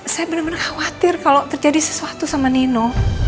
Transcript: saya bener bener khawatir kalau terjadi sesuatu sama nino